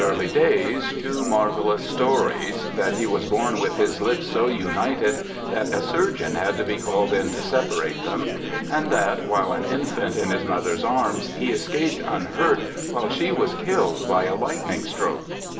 28o BIOGRAPHICAL ESSAYS stories — that he was born with his lips so united that a surgeon had to be called in to separate them ; and that, while an infant in his mother's arms, he escaped unhurt, while she was killed by a lightning stroke.